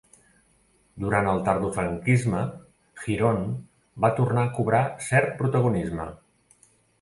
Durant el tardofranquisme, Girón va tornar a cobrar cert protagonisme.